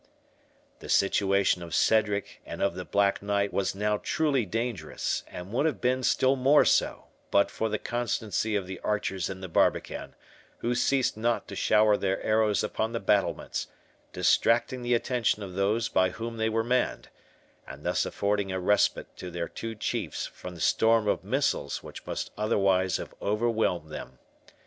The situation of Cedric and of the Black Knight was now truly dangerous, and would have been still more so, but for the constancy of the archers in the barbican, who ceased not to shower their arrows upon the battlements, distracting the attention of those by whom they were manned, and thus affording a respite to their two chiefs from the storm of missiles which must otherwise have overwhelmed them.